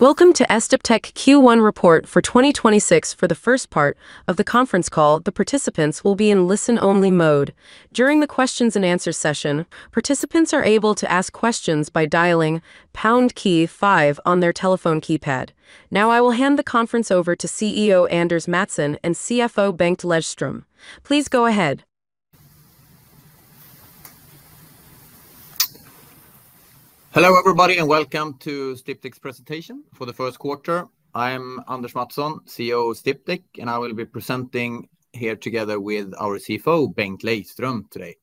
Welcome to Sdiptech Q1 report for 2026. For the first part of the conference call, the participants will be in listen-only mode. During the questions-and-answer session, participants are able to ask questions by dialing pound key five on their telephone keypad. Now I will hand the conference over to CEO Anders Mattson and CFO Bengt Lejdström. Please go ahead. Hello, everybody, and welcome to Sdiptech's presentation for the first quarter. I am Anders Mattson, CEO of Sdiptech, and I will be presenting here together with our CFO, Bengt Lejdström today.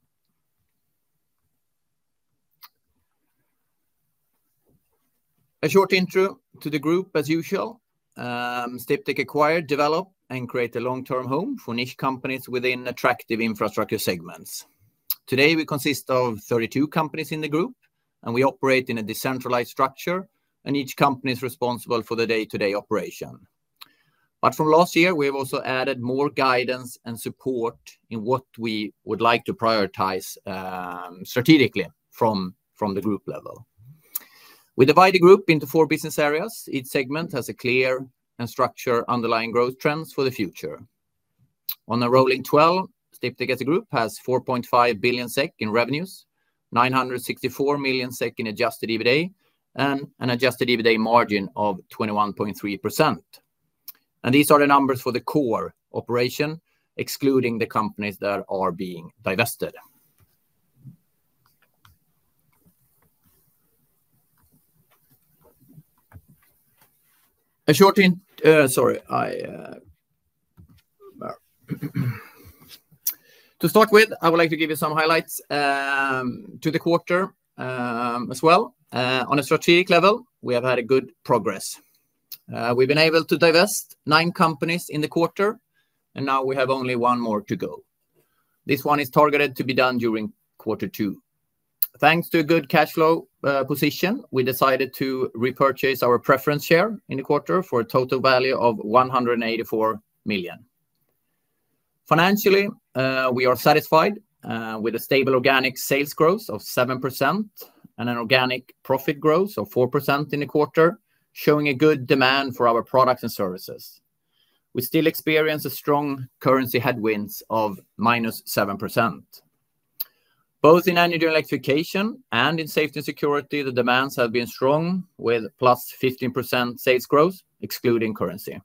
A short intro to the group as usual. Sdiptech acquire, develop, and create a long-term home for niche companies within attractive infrastructure segments. Today, we consist of 32 companies in the group, and we operate in a decentralized structure, and each company is responsible for the day-to-day operation. From last year, we have also added more guidance and support in what we would like to prioritize strategically from the group level. We divide the group into four business areas. Each segment has a clear and structured underlying growth trends for the future. On a rolling twelve, Sdiptech as a group has 4.5 billion SEK in revenues, 964 million SEK in adjusted EBITDA, and an adjusted EBITDA margin of 21.3%. These are the numbers for the core operation, excluding the companies that are being divested. To start with, I would like to give you some highlights to the quarter, as well. On a strategic level, we have had a good progress. We've been able to divest nine companies in the quarter, and now we have only one more to go. This one is targeted to be done during quarter two. Thanks to a good cash flow position, we decided to repurchase our preference share in the quarter for a total value of 184 million. Financially, we are satisfied with a stable organic sales growth of 7% and an organic profit growth of 4% in the quarter, showing a good demand for our products and services. We still experience a strong currency headwinds of -7%. Both in Energy & Electrification and in Safety & Security, the demands have been strong with +15% sales growth, excluding currency.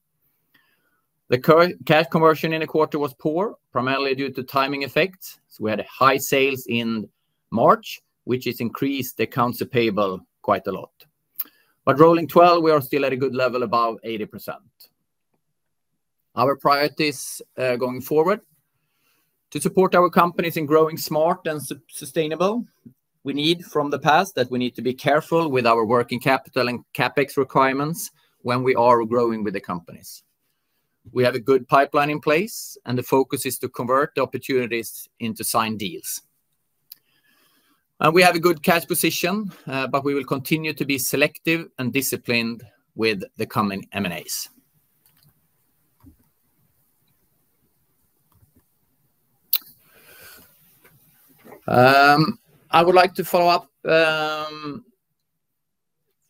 The cash conversion in the quarter was poor, primarily due to timing effects, as we had high sales in March, which has increased the accounts payable quite a lot. Rolling 12, we are still at a good level, above 80%. Our priorities going forward. To support our companies in growing smart and sustainable, we learned from the past that we need to be careful with our working capital and CapEx requirements when we are growing with the companies. We have a good pipeline in place, and the focus is to convert the opportunities into signed deals. We have a good cash position, but we will continue to be selective and disciplined with the coming M&As. I would like to follow up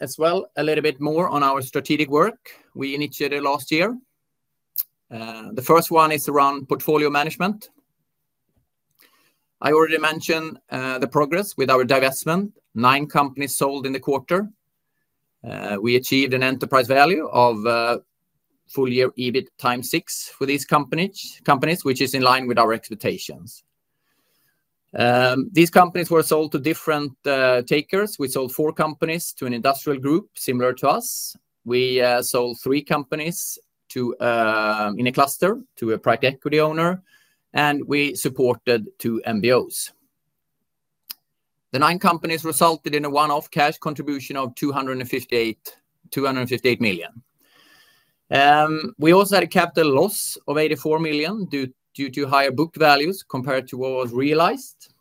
as well a little bit more on our strategic work we initiated last year. The first one is around portfolio management. I already mentioned the progress with our divestment. Nine companies sold in the quarter. We achieved an enterprise value of full-year EBIT 6x for these companies, which is in line with our expectations. These companies were sold to different takers. We sold four companies to an industrial group similar to us. We sold three companies, in a cluster, to a private equity owner, and we supported two MBOs. The none companies resulted in a one-off cash contribution of 258 million. We also had a capital loss of 84 million due to higher book values compared to what was realized.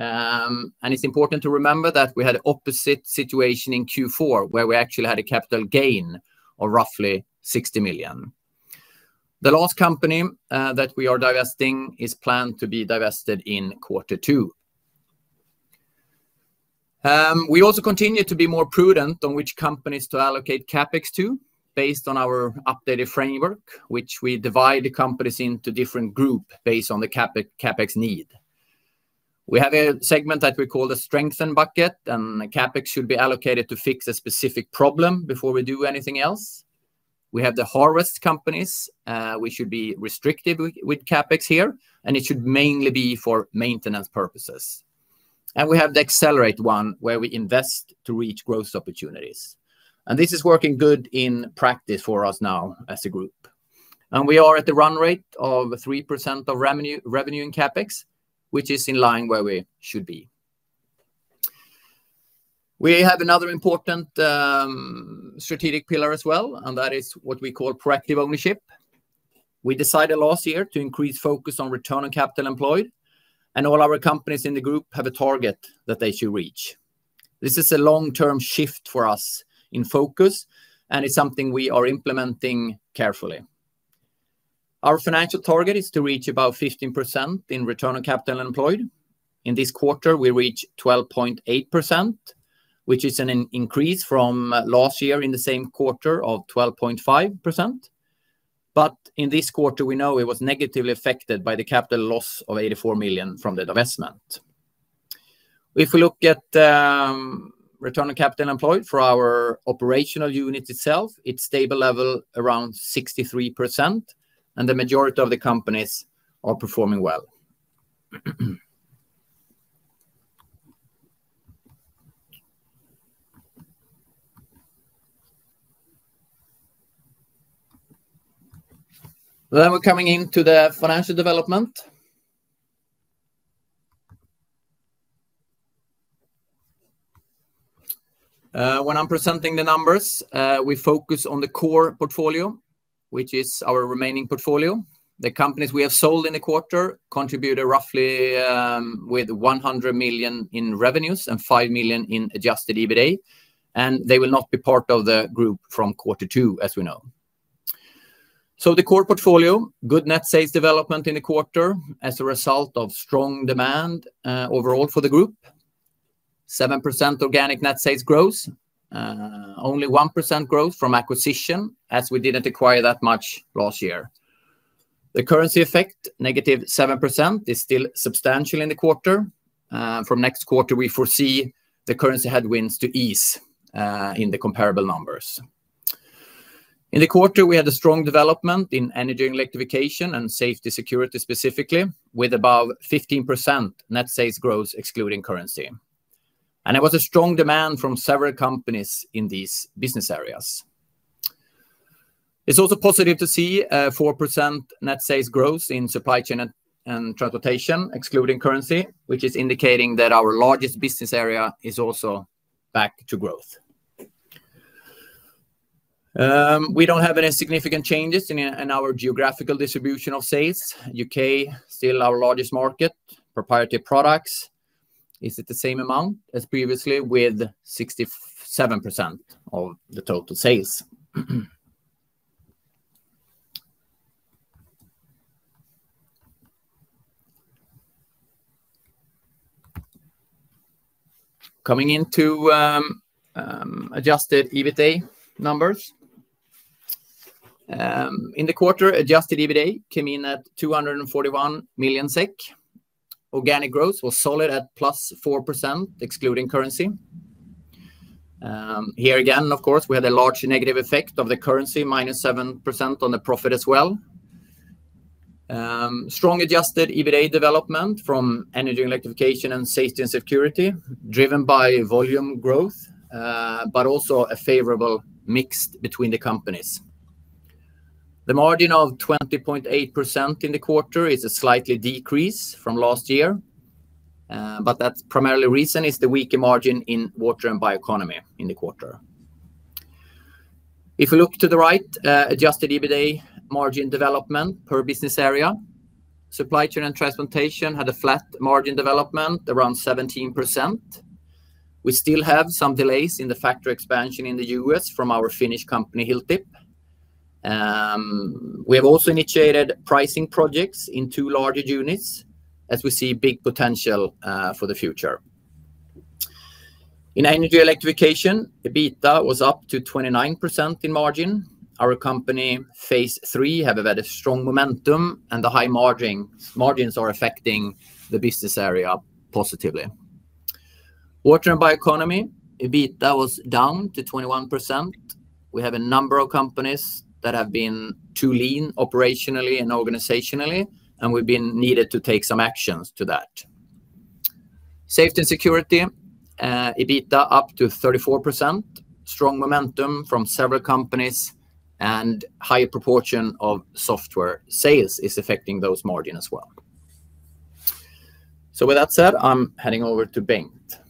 It's important to remember that we had opposite situation in Q4, where we actually had a capital gain of roughly 60 million. The last company that we are divesting is planned to be divested in quarter two. We also continue to be more prudent on which companies to allocate CapEx to based on our updated framework, which we divide the companies into different group based on the CapEx need. We have a segment that we call the strengthen bucket, and CapEx should be allocated to fix a specific problem before we do anything else. We have the harvest companies. We should be restrictive with CapEx here, and it should mainly be for maintenance purposes. We have the accelerate one where we invest to reach growth opportunities. This is working good in practice for us now as a group. We are at the run rate of 3% of revenue in CapEx, which is in line where we should be. We have another important strategic pillar as well, and that is what we call proactive ownership. We decided last year to increase focus on return on capital employed, and all our companies in the group have a target that they should reach. This is a long-term shift for us in focus, and it's something we are implementing carefully. Our financial target is to reach about 15% in return on capital employed. In this quarter, we reach 12.8%, which is an increase from last year in the same quarter of 12.5%. In this quarter, we know it was negatively affected by the capital loss of 84 million from the divestment. If we look at return on capital employed for our operational unit itself, it's stable level around 63%, and the majority of the companies are performing well. We're coming into the financial development. When I'm presenting the numbers, we focus on the core portfolio, which is our remaining portfolio. The companies we have sold in the quarter contributed roughly with 100 million in revenues and 5 million in adjusted EBITA, and they will not be part of the group from quarter two, as we know. The core portfolio, good net sales development in the quarter as a result of strong demand overall for the group. 7% organic net sales growth. Only 1% growth from acquisition, as we didn't acquire that much last year. The currency effect, -7%, is still substantial in the quarter. From next quarter, we foresee the currency headwinds to ease in the comparable numbers. In the quarter, we had a strong development in Energy & Electrification and Safety & Security specifically, with above 15% net sales growth excluding currency. It was a strong demand from several companies in these business areas. It's also positive to see four percent net sales growth in Supply Chain & Transportation, excluding currency, which is indicating that our largest business area is also back to growth. We don't have any significant changes in our geographical distribution of sales. U.K. still our largest market. Proprietary products is at the same amount as previously with 67% of the total sales. Coming into adjusted EBITA numbers. In the quarter, adjusted EBITA came in at 241 million SEK. Organic growth was solid at +4% excluding currency. Here again, of course, we had a large negative effect of the currency, -7% on the profit as well. Strong adjusted EBITA development from Energy & Electrification and Safety & Security, driven by volume growth, but also a favorable mix between the companies. The margin of 20.8% in the quarter is a slight decrease from last year, but that's the primary reason is the weaker margin in Water & Bioeconomy in the quarter. If we look to the right, adjusted EBITA margin development per business area, Supply Chain & Transportation had a flat margin development around 17%. We still have some delays in the factory expansion in the U.S. from our Finnish company Hilltip. We have also initiated pricing projects in two larger units as we see big potential for the future. In Energy & Electrification, the EBITDA was up to 29% in margin. Our company phase III have a very strong momentum, and the high margins are affecting the business area positively. Water & Bioeconomy, EBITDA was down to 21%. We have a number of companies that have been too lean operationally and organizationally, and we've been needed to take some actions to that. Safety & Security, EBITDA up to 34%. Strong momentum from several companies and high proportion of software sales is affecting those margin as well. With that said, I'm handing over to Bengt.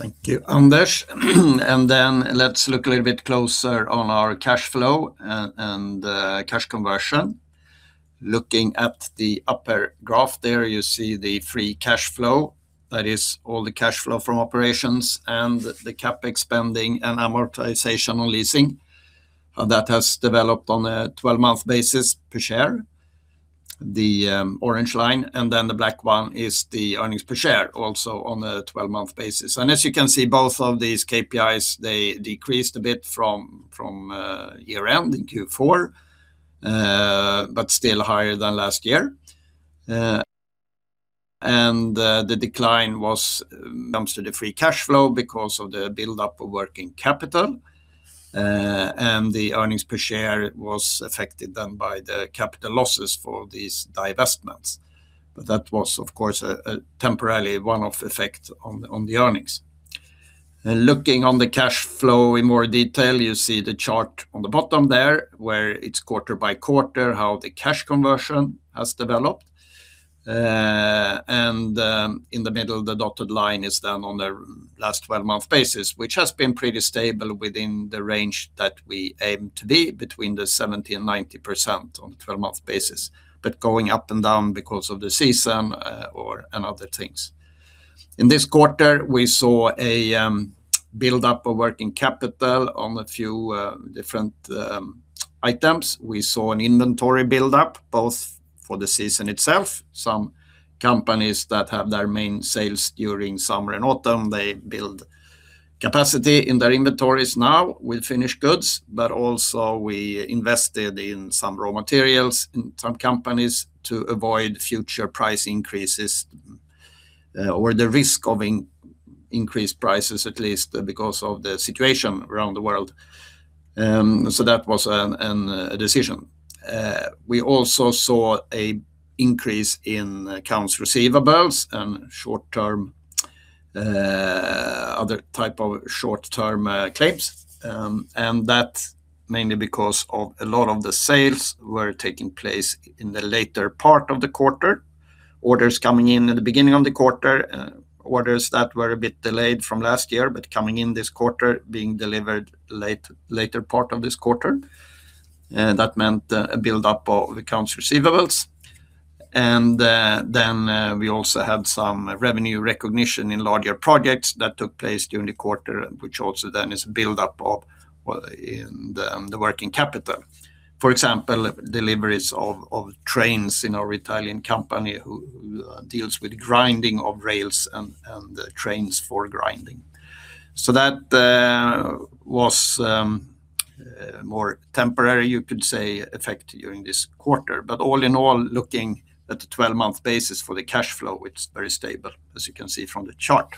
Thank you, Anders. Let's look a little bit closer on our cash flow and cash conversion. Looking at the upper graph there, you see the free cash flow. That is all the cash flow from operations and the CapEx spending and amortization on leasing that has developed on a 12-month basis per share, the orange line. The black one is the earnings per share, also on a 12-month basis. As you can see, both of these KPIs, they decreased a bit from year-end in Q4, but still higher than last year. The decline was confined to the free cash flow because of the buildup of working capital. The earnings per share was affected then by the capital losses for these divestments. That was, of course, a temporary one-off effect on the earnings. Looking at the cash flow in more detail, you see the chart on the bottom there, where it's quarter-by-quarter, how the cash conversion has developed. In the middle, the dotted line is done on a last 12-month basis, which has been pretty stable within the range that we aim to be between 70% and 90% on a 12-month basis. Going up and down because of the season, or and other things. In this quarter, we saw a buildup in working capital on a few different items. We saw an inventory buildup both for the season itself. Some companies that have their main sales during summer and autumn, they build capacity in their inventories now with finished goods, but also we invested in some raw materials in some companies to avoid future price increases, or the risk of increased prices, at least because of the situation around the world. That was a decision. We also saw an increase in accounts receivable and short-term other type of short-term claims. That's mainly because a lot of the sales were taking place in the later part of the quarter. Orders coming in at the beginning of the quarter, orders that were a bit delayed from last year, but coming in this quarter being delivered later part of this quarter. That meant a buildup of accounts receivable. We also had some revenue recognition in larger projects that took place during the quarter, which also then is build up of, well, in the working capital. For example, deliveries of trains in our Italian company who deals with grinding of rails and trains for grinding. That was more temporary, you could say, effect during this quarter. All in all, looking at the 12-month basis for the cash flow, it's very stable, as you can see from the chart.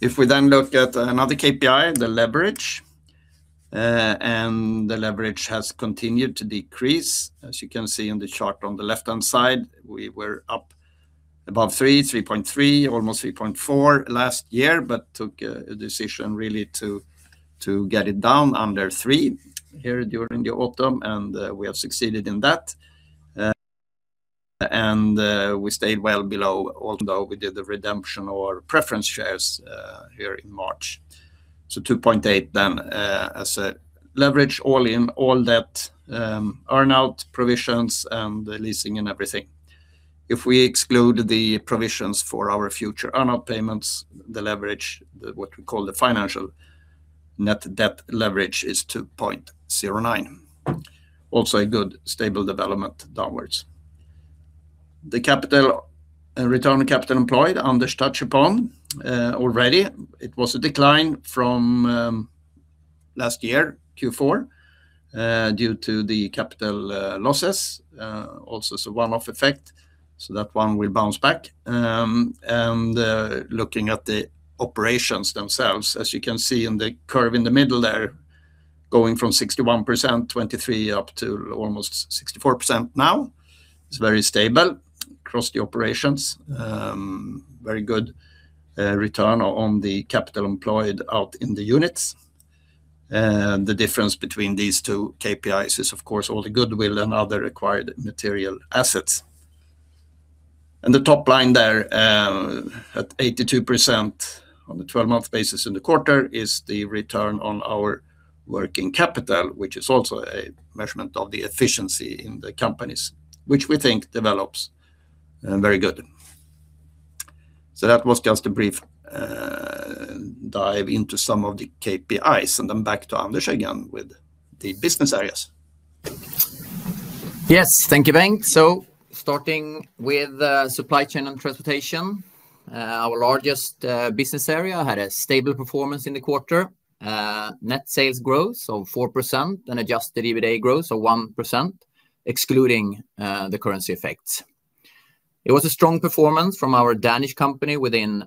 If we then look at another KPI, the leverage has continued to decrease. As you can see in the chart on the left-hand side, we were up above 3.3, almost 3.4 last year, but took a decision really to get it down under 3 here during the autumn, and we have succeeded in that. We stayed well below, although we did the redemption of preference shares here in March. 2.8 then, as a leverage all in all debt, earn-out provisions and the leasing and everything. If we exclude the provisions for our future earn-out payments, the leverage, the what we call the financial net debt leverage is 2.09. Also a good stable development downwards. The capital and return on capital employed Anders touched upon already. It was a decline from last year, Q4, due to the capital losses, also it's a one-off effect, so that one will bounce back. Looking at the operations themselves, as you can see in the curve in the middle there, going from 61%, 2023 up to almost 64% now. It's very stable across the operations. Very good return on the capital employed out in the units. The difference between these two KPIs is, of course, all the goodwill and other acquired material assets. The top line there, at 82% on the 12-month basis in the quarter is the return on our working capital, which is also a measurement of the efficiency in the companies, which we think develops very good. That was just a brief dive into some of the KPIs, and then back to Anders again with the business areas. Yes. Thank you, Bengt. Starting with Supply Chain & Transportation, our largest business area had a stable performance in the quarter. Net sales growth of 4% and adjusted EBITDA growth of 1%, excluding the currency effects. It was a strong performance from our Danish company within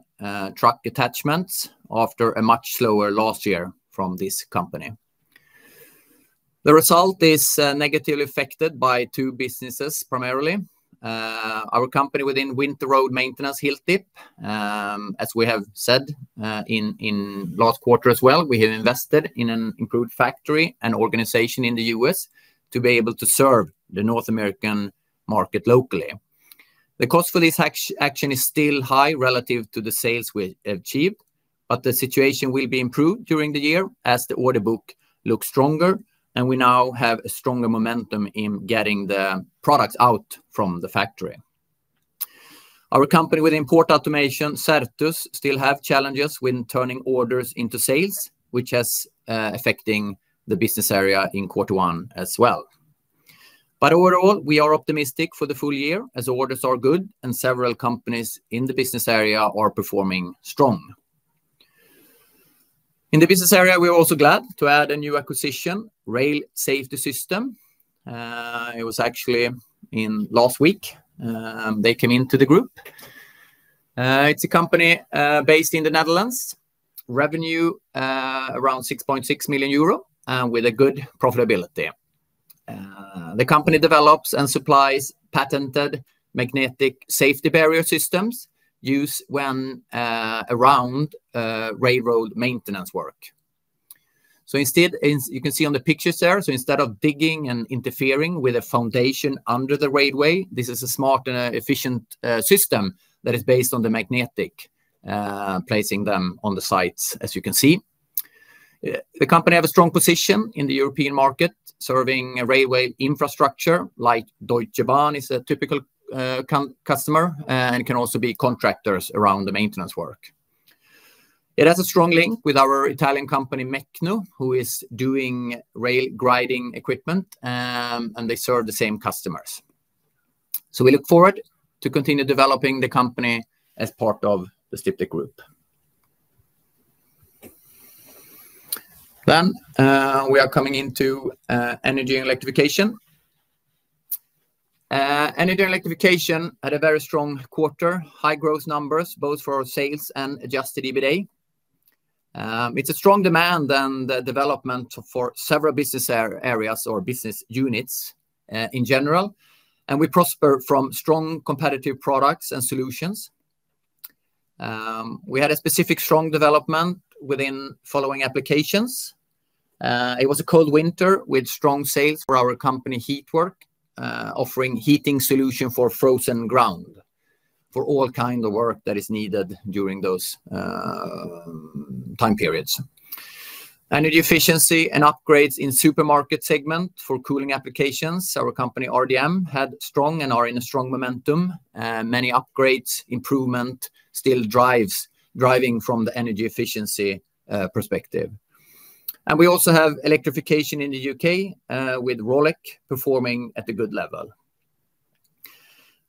truck attachments after a much slower last year from this company. The result is negatively affected by two businesses, primarily. Our company within winter road maintenance, Hilltip, as we have said in last quarter as well, we have invested in an improved factory and organization in the U.S. to be able to serve the North American market locally. The cost for this acquisition is still high relative to the sales we achieved, but the situation will be improved during the year as the order book looks stronger, and we now have a stronger momentum in getting the products out from the factory. Our company with port automation, Certus, still has challenges when turning orders into sales, which has affected the business area in quarter one as well. Overall, we are optimistic for the full year as orders are good and several companies in the business area are performing strong. In the business area, we are also glad to add a new acquisition, Rail Safety Systems. It was actually last week they came into the group. It's a company based in the Netherlands. Revenue around 6.6 million euro with a good profitability. The company develops and supplies patented magnetic safety barrier systems used when around railroad maintenance work. You can see on the pictures there. Instead of digging and interfering with a foundation under the railway, this is a smart and efficient system that is based on the magnetic placing them on the sites, as you can see. The company have a strong position in the European market serving a railway infrastructure like Deutsche Bahn is a typical customer, and can also be contractors around the maintenance work. It has a strong link with our Italian company, Mecno, who is doing rail grinding equipment, and they serve the same customers. We look forward to continue developing the company as part of the Sdiptech. We are coming into Energy & Electrification. Energy & Electrification had a very strong quarter, high growth numbers both for sales and adjusted EBITA. There's strong demand and the development for several business areas or business units, in general, and we prosper from strong competitive products and solutions. We had a specific strong development within following applications. It was a cold winter with strong sales for our company, HeatWork, offering heating solution for frozen ground, for all kind of work that is needed during those time periods. Energy efficiency and upgrades in supermarket segment for cooling applications, our company RDM had strong and are in a strong momentum. Many upgrades, improvement still driving from the energy efficiency perspective. We also have electrification in the U.K., with Rolec performing at a good level.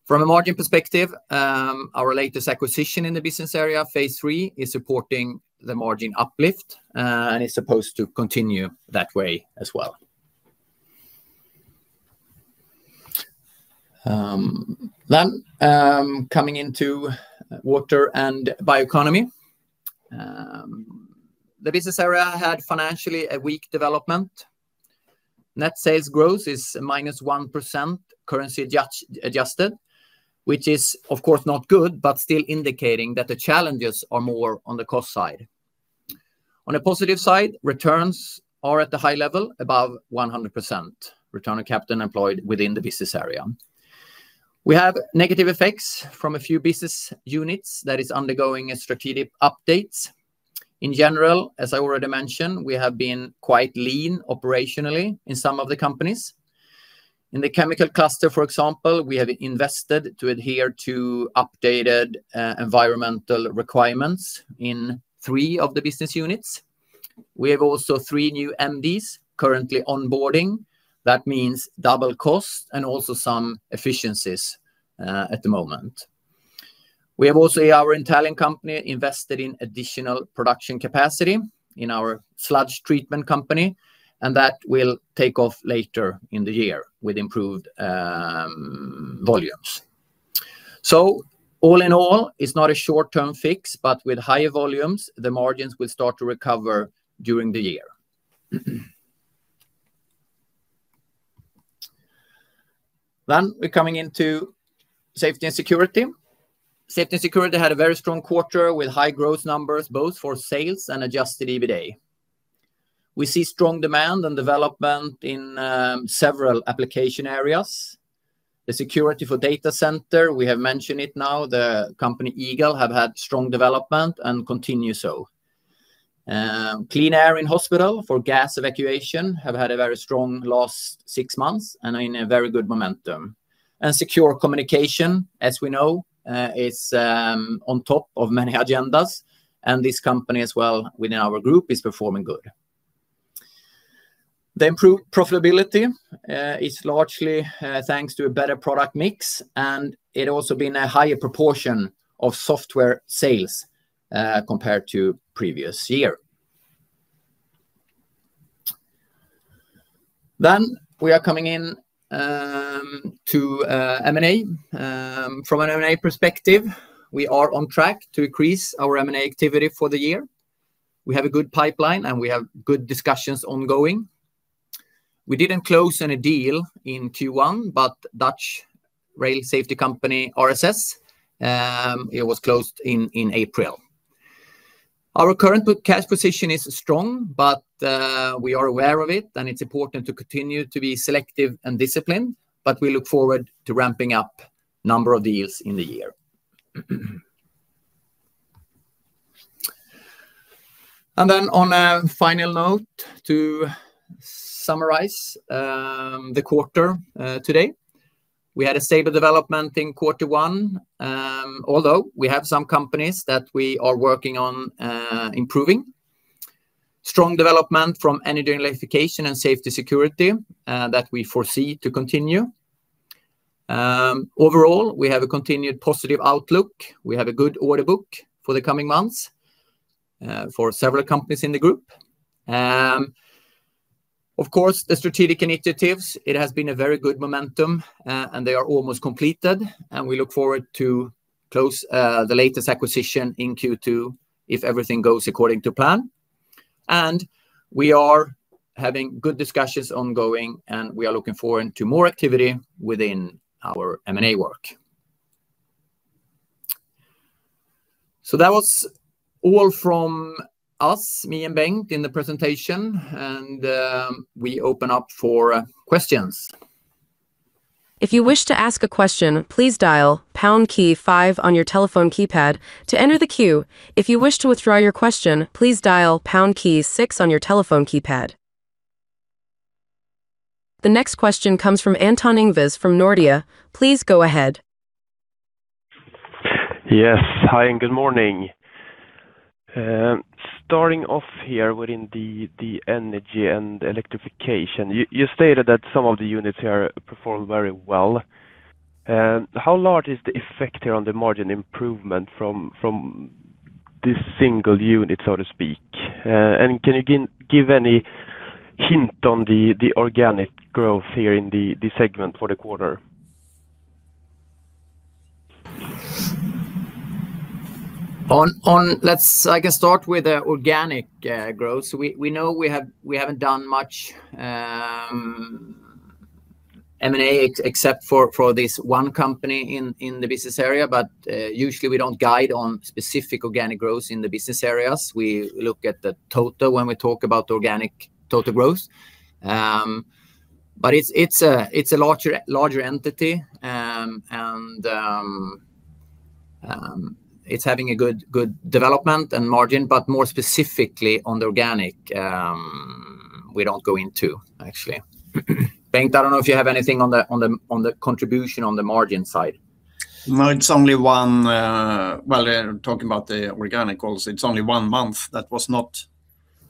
From a margin perspective, our latest acquisition in the business area, phase III, is supporting the margin uplift, and it's supposed to continue that way as well. Coming into Water & Bioeconomy. The business area had financially a weak development. Net sales growth is minus 1% currency adjusted, which is of course not good, but still indicating that the challenges are more on the cost side. On a positive side, returns are at the high level, above 100% return on capital employed within the business area. We have negative effects from a few business units that is undergoing a strategic updates. In general, as I already mentioned, we have been quite lean operationally in some of the companies. In the chemical cluster, for example, we have invested to adhere to updated, environmental requirements in three of the business units. We have also three new MDs currently onboarding. That means double cost and also some efficiencies at the moment. We have also our Italian company invested in additional production capacity in our sludge treatment company, and that will take off later in the year with improved volumes. All in all, it's not a short-term fix, but with higher volumes, the margins will start to recover during the year. We're coming into Safety & Security. Safety & Security had a very strong quarter with high growth numbers both for sales and adjusted EBITA. We see strong demand and development in several application areas. The security for data center, we have mentioned it now, the company Eagle have had strong development and continue so. Clean air in hospital for gas evacuation have had a very strong last six months and are in a very good momentum. Secure communication, as we know, is on top of many agendas, and this company as well within our group is performing good. The improved profitability is largely thanks to a better product mix, and it also been a higher proportion of software sales compared to previous year. We are coming in to M&A. From an M&A perspective, we are on track to increase our M&A activity for the year. We have a good pipeline, and we have good discussions ongoing. We didn't close any deal in Q1, but Dutch rail safety company, RSS, it was closed in April. Our current cash position is strong, but we are aware of it, and it's important to continue to be selective and disciplined, but we look forward to ramping up number of deals in the year. Then on a final note to summarize the quarter today, we had a stable development in quarter one, although we have some companies that we are working on improving. Strong development from Energy & Electrification and Safety & Security that we foresee to continue. Overall, we have a continued positive outlook. We have a good order book for the coming months for several companies in the group. Of course, the strategic initiatives, it has been a very good momentum, and they are almost completed, and we look forward to close the latest acquisition in Q2 if everything goes according to plan. We are having good discussions ongoing, and we are looking forward to more activity within our M&A work. That was all from us, me and Bengt, in the presentation, and we open up for questions. If you wish to ask a question please dial pound key five on your telephone keypad to enter the queue. If you to withdraw your question please dial pound key six on your telepone keypad. The next question comes from Anton Ingves from Nordea. Please go ahead. Yes. Hi, and good morning. Starting off here within the Energy & Electrification, you stated that some of the units here perform very well. How large is the effect here on the margin improvement from this single unit, so to speak? Can you give any hint on the organic growth here in this segment for the quarter? I can start with the organic growth. We know we have—we haven't done much M&A except for this one company in the business area. Usually we don't guide on specific organic growth in the business areas. We look at the total when we talk about organic total growth. It's a larger entity. It's having a good development and margin, but more specifically on the organic, we don't go into actually. Bengt, I don't know if you have anything on the contribution on the margin side. No, it's only one. Well, talking about the organic growth, it's only one month that was not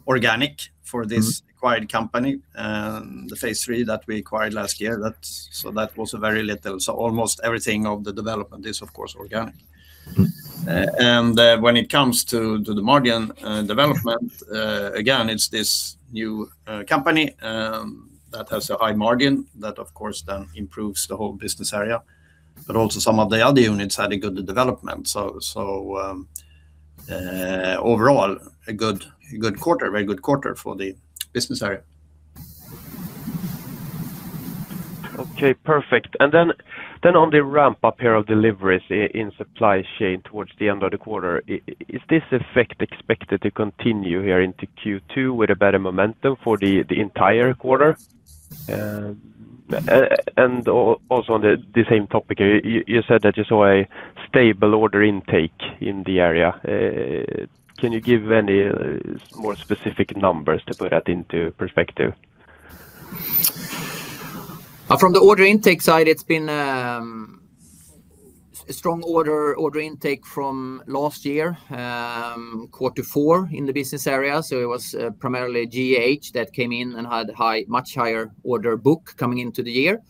organic for this acquired company, the phase III that we acquired last year. That's. That was very little. Almost everything of the development is of course organic. When it comes to the margin development, again, it's this new company that has a high margin that of course then improves the whole business area. Also some of the other units had a good development. Overall a good quarter, very good quarter for the business area. Okay, perfect. On the ramp up here of deliveries in supply chain towards the end of the quarter, is this effect expected to continue here into Q2 with a better momentum for the entire quarter? Also on the same topic, you said that you saw a stable order intake in the area. Can you give any more specific numbers to put that into perspective? From the order intake side, it's been a strong order intake from last year quarter four in the business area. It was primarily GAH that came in and had much higher order book coming into the year.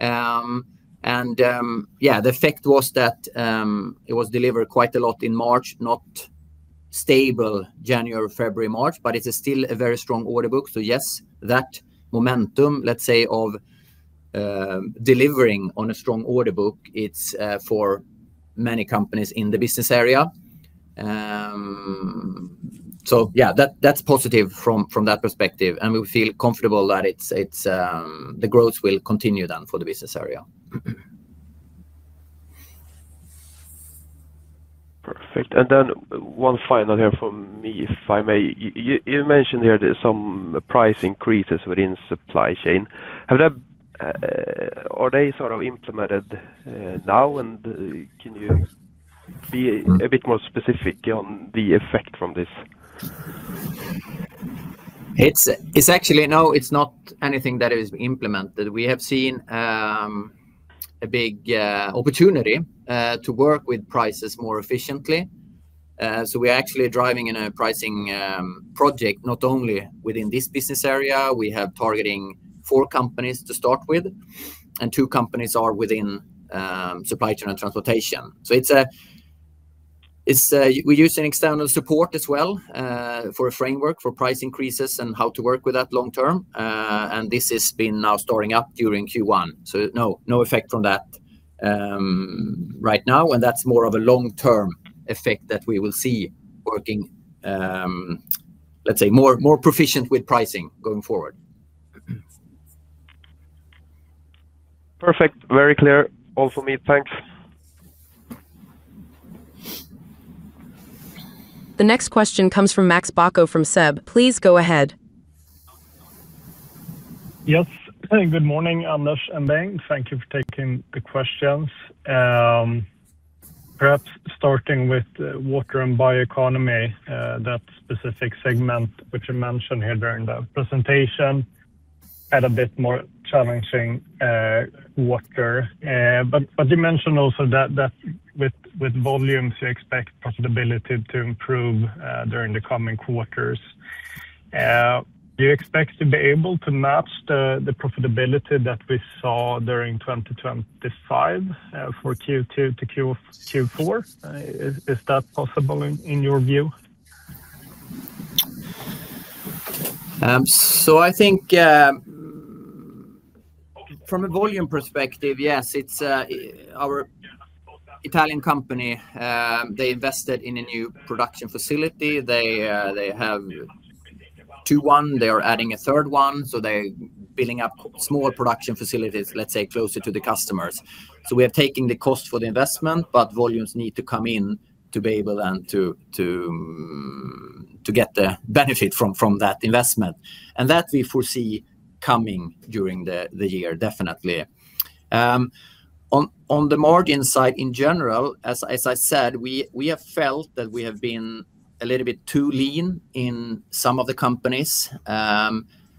Yeah, the effect was that it was delivered quite a lot in March, not stable January, February, March, but it is still a very strong order book. Yes, that momentum, let's say of delivering on a strong order book, it's for many companies in the business area. Yeah, that's positive from that perspective, and we feel comfortable that the growth will continue then for the business area. Perfect. One final here from me, if I may. You mentioned there some price increases within Supply Chain. Are they sort of implemented now? Can you be a bit more specific on the effect from this? It's actually not anything that is implemented. We have seen a big opportunity to work with prices more efficiently. We're actually driving a pricing project not only within this business area. We're targeting four companies to start with, and two companies are within Supply Chain & Transportation. We're using external support as well for a framework for price increases and how to work with that long term. This has now been starting up during Q1, so no effect from that right now. That's more of a long-term effect that we will see working, let's say more proficient with pricing going forward. Perfect. Very clear to me also. Thanks. The next question comes from Max Bauckham from SEB. Please go ahead. Yes. Good morning, Anders and Bengt. Thank you for taking the questions. Perhaps starting with Water & Bioeconomy, that specific segment which you mentioned here during the presentation, had a bit more challenging, water. But you mentioned also that with volumes you expect profitability to improve during the coming quarters. Do you expect to be able to match the profitability that we saw during 2025, for Q2 to Q4? Is that possible in your view? I think from a volume perspective, yes. It's our Italian company. They invested in a new production facility. They have two. They're adding a third one, so they're building up small production facilities, let's say, closer to the customers. We are taking the cost for the investment, but volumes need to come in to be able then to get the benefit from that investment. That we foresee coming during the year definitely. On the margin side in general, as I said, we have felt that we have been a little bit too lean in some of the companies.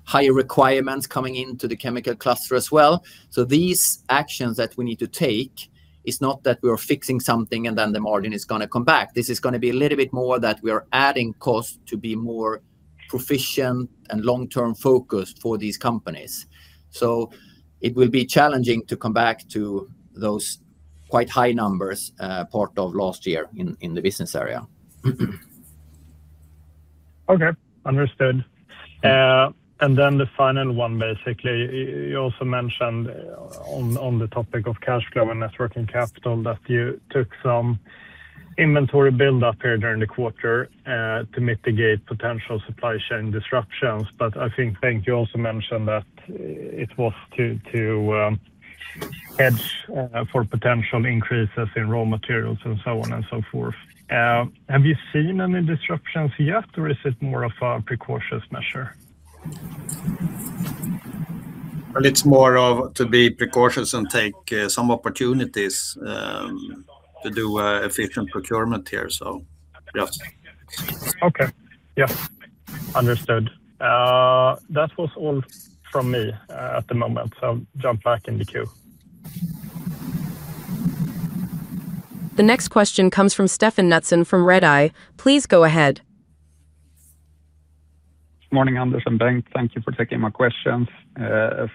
Higher requirements coming into the chemical cluster as well. These actions that we need to take is not that we are fixing something and then the margin is gonna come back. This is gonna be a little bit more that we are adding costs to be more proficient and long-term focused for these companies. It will be challenging to come back to those quite high numbers, part of last year in the business area. Okay, understood. Then the final one, basically. You also mentioned on the topic of cash flow and net working capital that you took some inventory build up here during the quarter to mitigate potential supply chain disruptions. I think, Bengt, you also mentioned that it was to hedge for potential increases in raw materials and so on and so forth. Have you seen any disruptions yet? Or is it more of a precautionary measure? Well, it's more of to be precautious and take some opportunities to do efficient procurement here. Yeah. Okay. Yes. Understood. That was all from me at the moment, so jump back in the queue. The next question comes from Stefan Knutsson from Redeye. Please go ahead. Morning, Anders and Bengt. Thank you for taking my questions.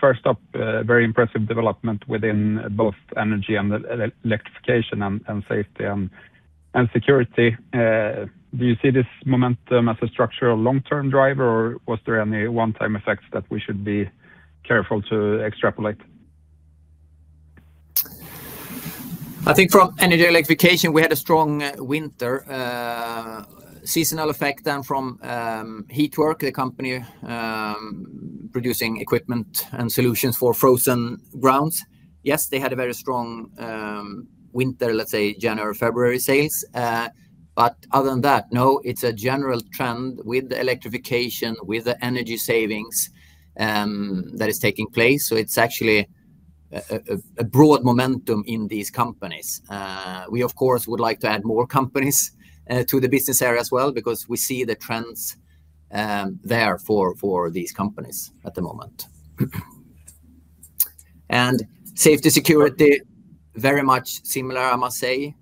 First up, very impressive development within both Energy & Electrification and Safety & Security. Do you see this momentum as a structural long-term driver, or was there any one-time effects that we should be careful to extrapolate? I think from Energy & Electrification, we had a strong winter seasonal effect then from HeatWork, the company producing equipment and solutions for frozen grounds. Yes, they had a very strong winter, let's say, January, February sales. Other than that, no, it's a general trend with the electrification, with the energy savings that is taking place. It's actually a broad momentum in these companies. We of course would like to add more companies to the business area as well because we see the trends there for these companies at the moment. Safety & Security, very much similar, I must say.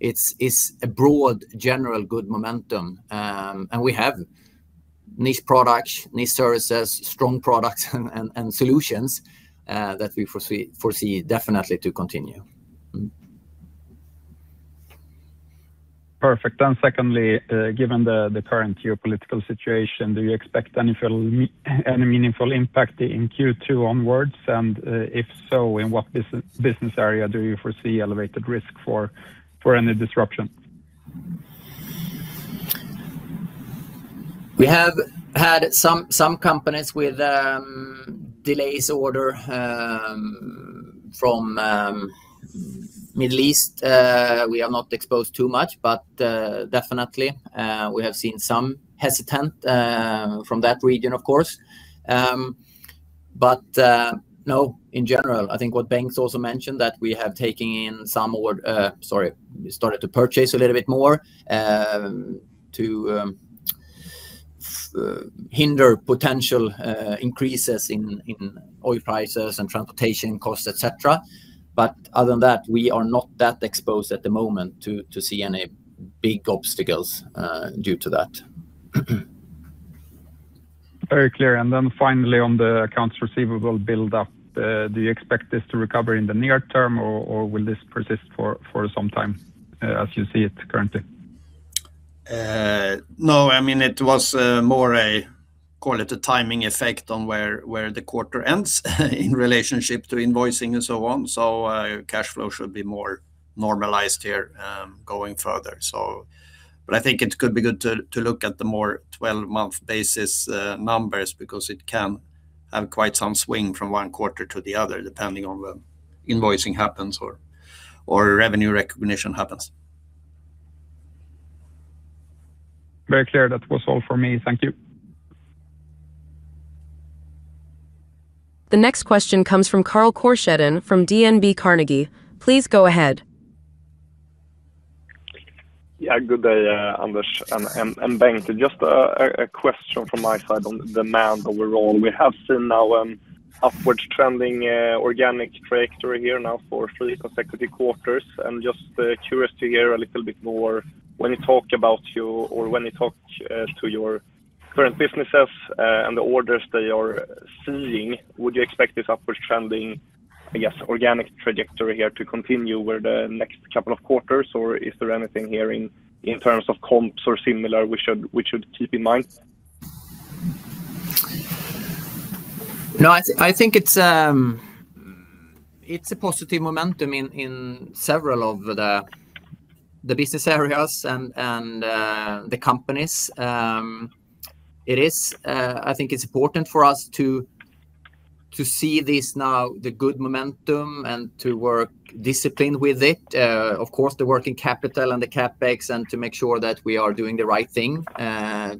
It's a broad general good momentum. We have niche products, niche services, strong products and solutions that we foresee definitely to continue. Perfect. Secondly, given the current geopolitical situation, do you expect any meaningful impact in Q2 onwards, and, if so, in what business area do you foresee elevated risk for any disruption? We have had some companies with delayed orders from the Middle East. We are not exposed too much, but definitely we have seen some hesitation from that region, of course. In general, I think what Bengt also mentioned that we have taken in some orders, sorry, we started to purchase a little bit more to hedge potential increases in oil prices and transportation costs, etc. Other than that, we are not that exposed at the moment to see any big obstacles due to that. Very clear. Finally, on the accounts receivable build up, do you expect this to recover in the near term, or will this persist for some time, as you see it currently? No. I mean, it was more a, call it a timing effect on where the quarter ends in relationship to invoicing and so on. Cash flow should be more normalized here going further. But I think it could be good to look at the more 12-month basis numbers because it can have quite some swing from one quarter to the other, depending on when invoicing happens or revenue recognition happens. Very clear. That was all for me. Thank you. The next question comes from Carl Korsheden from DNB Carnegie. Please go ahead. Yeah, good day, Anders and Bengt. Just a question from my side on demand overall. We have seen now upwards trending organic trajectory here now for three consecutive quarters. I'm just curious to hear a little bit more when you talk to your current businesses and the orders they are seeing. Would you expect this upwards trending, I guess, organic trajectory here to continue with the next couple of quarters, or is there anything here in terms of comps or similar we should keep in mind? No, I think it's a positive momentum in several of the business areas and the companies. I think it's important for us to see this now, the good momentum and to work disciplined with it, of course, the working capital and the CapEx, and to make sure that we are doing the right thing,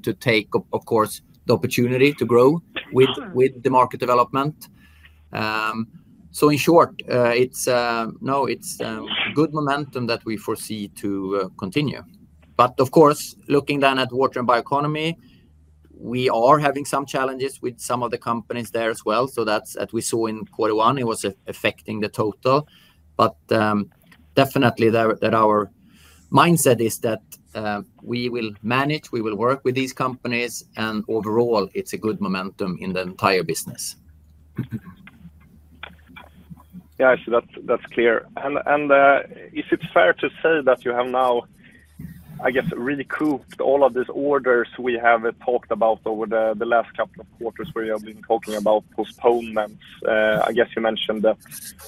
to take, of course, the opportunity to grow with the market development. In short, it's good momentum that we foresee to continue. Of course, looking then at Water & Bioeconomy, we are having some challenges with some of the companies there as well. That's as we saw in quarter one, it was affecting the total. Definitely there that our mindset is that we will manage. We will work with these companies, and overall it's a good momentum in the entire business. Yeah. Actually, that's clear. Is it fair to say that you have now, I guess, really cooked all of these orders we have talked about over the last couple of quarters where you have been talking about postponements? I guess you mentioned that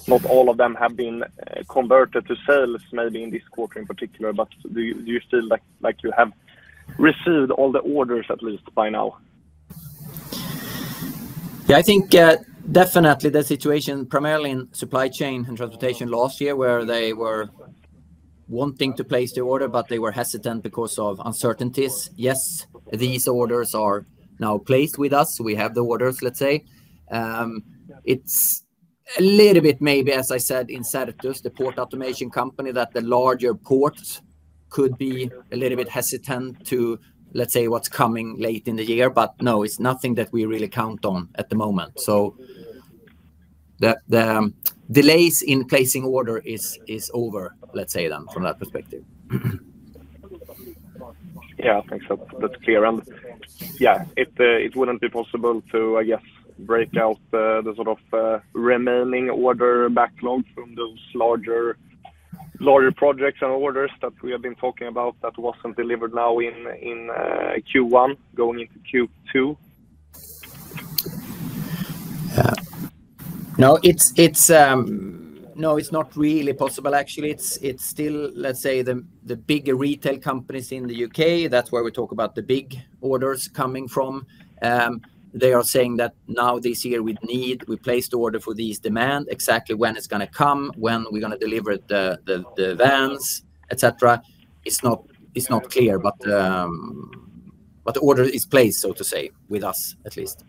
not all of them have been converted to sales maybe in this quarter in particular, but do you feel like you have received all the orders at least by now? Yeah, I think definitely the situation primarily in Supply Chain &Transportation last year where they were wanting to place the order, but they were hesitant because of uncertainties. Yes, these orders are now placed with us. We have the orders, let's say. It's a little bit maybe as I said, in Certus, the port automation company, that the larger ports could be a little bit hesitant to, let's say, what's coming late in the year. But no, it's nothing that we really count on at the moment. The delays in placing order is over, let's say then from that perspective. Yeah. I think so. That's clear. Yeah, it wouldn't be possible to, I guess, break out the sort of remaining order backlog from those larger projects and orders that we have been talking about that wasn't delivered now in Q1 going into Q2? No, it's not really possible actually. It's still, let's say, the bigger retail companies in the U.K., that's where we talk about the big orders coming from. They are saying that now this year we need, we place the order for these demand exactly when it's gonna come, when we're gonna deliver the vans, et cetera. It's not clear. The order is placed, so to say, with us at least.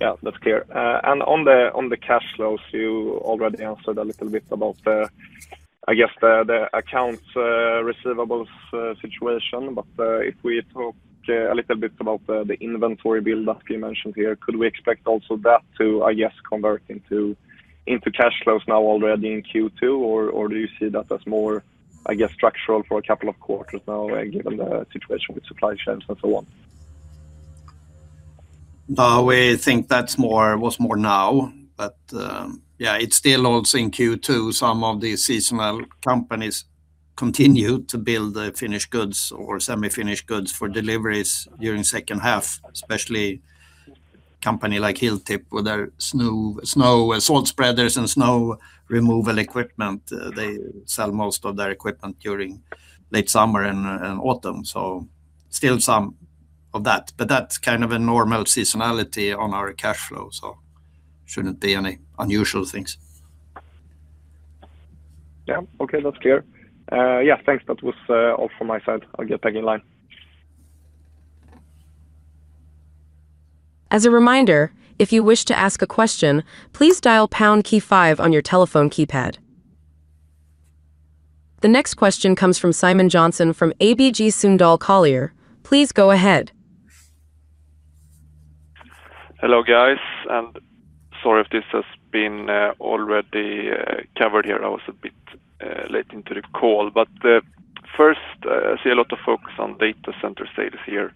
Yeah, that's clear. On the cash flows, you already answered a little bit about, I guess, the accounts receivables situation. If we talk a little bit about the inventory build up you mentioned here, could we expect also that to, I guess, convert into cash flows now already in Q2 or do you see that as more, I guess, structural for a couple of quarters now given the situation with supply chains and so on? We think that's more, was more now. It's still also in Q2, some of the seasonal companies continue to build the finished goods or semi-finished goods for deliveries during second half, especially company like Hilltip with their snow and salt spreaders and snow removal equipment. They sell most of their equipment during late summer and autumn. Still some of that, but that's kind of a normal seasonality on our cash flow, shouldn't be any unusual things. Yeah. Okay. That's clear. Yeah, thanks. That was all from my side. I'll get back in line. As a reminder, if you wish to ask a question, please dial pound key five on your telephone keypad. The next question comes from Simon Johnson from ABG Sundal Collier. Please go ahead. Hello, guys. I'm sorry if this has been already covered here. I was a bit late into the call. First, I see a lot of focus on data center status here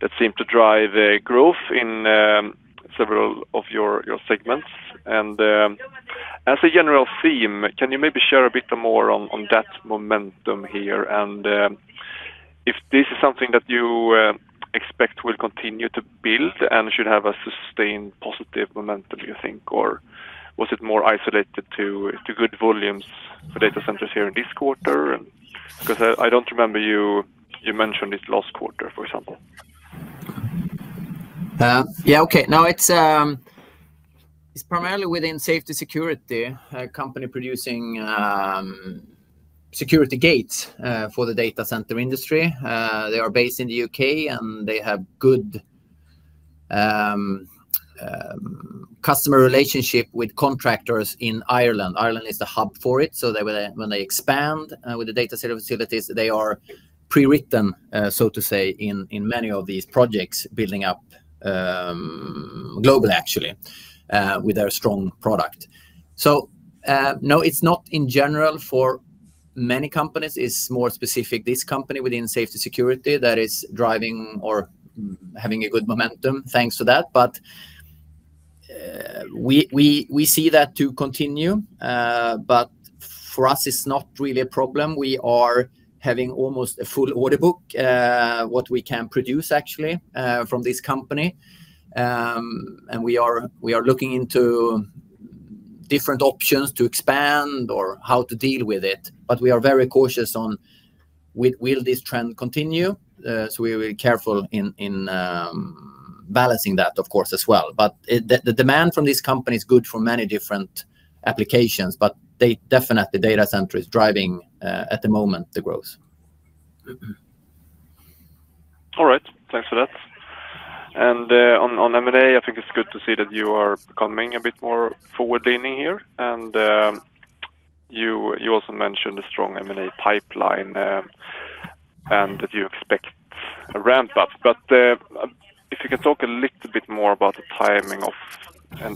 that seemed to drive growth in several of your segments. As a general theme, can you maybe share a bit more on that momentum here and if this is something that you expect will continue to build and should have a sustained positive momentum you think, or was it more isolated to good volumes for data centers here in this quarter? Because I don't remember you mentioned it last quarter, for example. Yeah, okay. No, it's primarily within Safety & Security, a company producing security gates for the data center industry. They are based in the U.K., and they have good customer relationship with contractors in Ireland. Ireland is the hub for it. They, when they expand with the data center facilities, are pre-written, so to speak, in many of these projects building up globally actually with their strong product. No, it's not in general for many companies, it's more specific to this company within Safety & Security that is driving or having a good momentum thanks to that. We see that continue. For us, it's not really a problem. We are having almost a full order book what we can produce actually from this company. We are looking into different options to expand or how to deal with it. We are very cautious whether this trend will continue. We're very careful in balancing that of course, as well. The demand from this company is good for many different applications, but definitely the data center is driving at the moment the growth. All right. Thanks for that. On M&A, I think it's good to see that you are becoming a bit more forward-leaning here, and you also mentioned the strong M&A pipeline, and that you expect a ramp up. If you could talk a little bit more about the timing,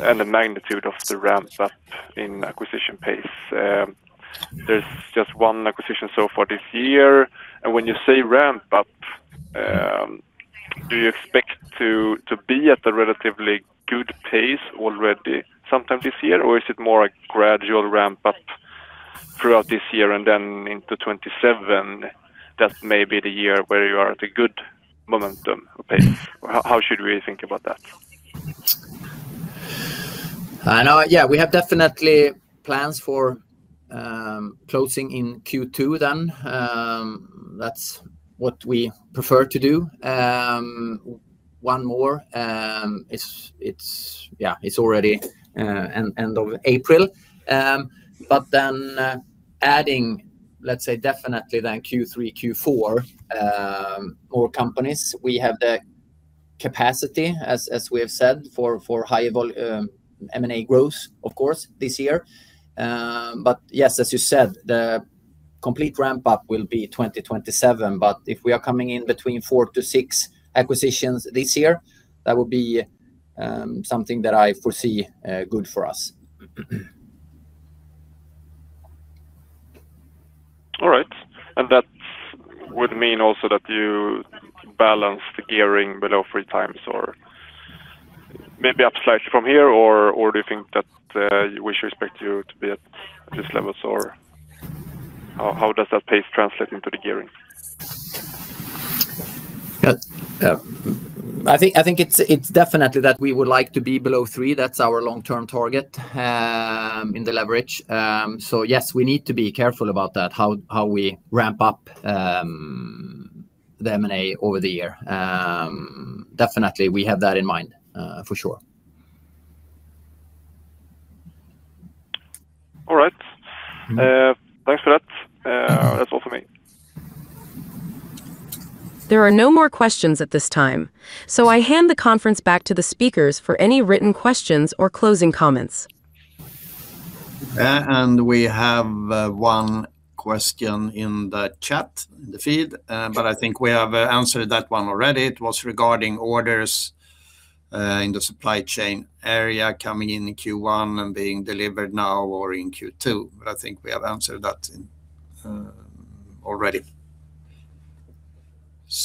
and the magnitude of the ramp up in acquisition pace. There's just one acquisition so far this year. When you say ramp up, do you expect to be at a relatively good pace already sometime this year? Is it more a gradual ramp up throughout this year and then into 2027, that may be the year where you are at a good momentum pace? How should we think about that? I know, yeah, we have definitely plans for closing in Q2 then. That's what we prefer to do. One more, it's already end of April. Then adding, let's say definitely then Q3, Q4, more companies. We have the capacity, as we have said, for high-volume M&A growth, of course, this year. Yes, as you said, the complete ramp up will be 2027, but if we are coming in between 4-6 acquisitions this year, that would be something that I foresee good for us. All right. That would mean also that you balance the gearing below three times or maybe up slightly from here, or do you think that we should expect you to be at these levels, or how does that pace translate into the gearing? Yeah. I think it's definitely that we would like to be below three. That's our long-term target in the leverage. Yes, we need to be careful about that, how we ramp up the M&A over the year. Definitely we have that in mind, for sure. All right. Thanks for that. That's all for me. There are no more questions at this time, so I hand the conference back to the speakers for any written questions or closing comments. We have one question in the chat, in the feed, but I think we have answered that one already. It was regarding orders in the supply chain area coming in in Q1 and being delivered now or in Q2. I think we have answered that already.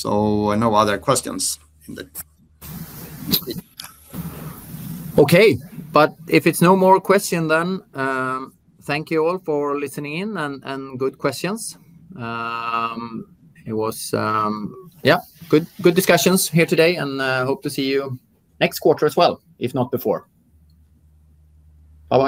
No other questions in the feed. Okay. If it's no more question then, thank you all for listening in and good questions. It was, yeah, good discussions here today, and hope to see you next quarter as well, if not before. Bye-bye.